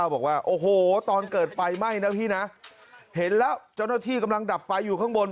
บอกว่าโอ้โหตอนเกิดไฟไหม้นะพี่นะเห็นแล้วเจ้าหน้าที่กำลังดับไฟอยู่ข้างบน